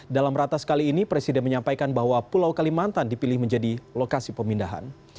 dalam ratas kali ini presiden menyampaikan bahwa pulau kalimantan dipilih menjadi lokasi pemindahan